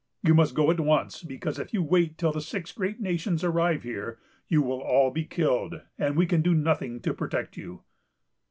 You must go at once, because if you wait till the six great nations arrive here, you will all be killed, and we can do nothing to protect you."